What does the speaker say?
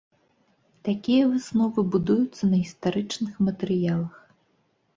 Такія высновы будуюцца на гістарычных матэрыялах.